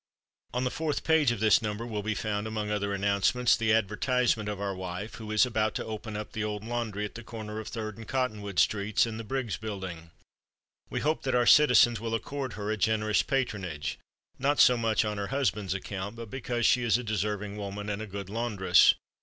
"On the fourth page of this number will be found, among other announcements, the advertisement of our wife, who is about to open up the old laundry at the corner of Third and Cottonwood streets, in the Briggs building. We hope that our citizens will accord her a generous patronage, not so much on her husband's account, but because she is a deserving woman, and a good laundress.